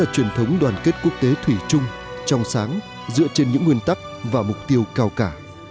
truyền thống đoàn kết quốc tế thủy chung trong sáng dựa trên những nguyên tắc và mục tiêu cao cả